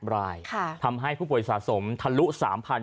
บราคาค่ะทำให้ผู้ปวดสะสมถรุสามพัน